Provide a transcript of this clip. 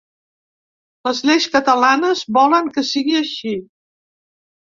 Les lleis catalanes volen que sigui així.